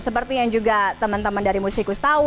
seperti yang juga teman teman dari musikus tahu